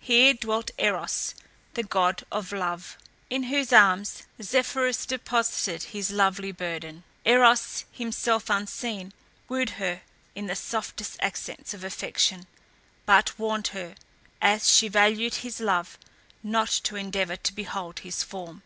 Here dwelt Eros, the god of Love, in whose arms Zephyrus deposited his lovely burden. Eros, himself unseen, wooed her in the softest accents of affection; but warned her, as she valued his love, not to endeavour to behold his form.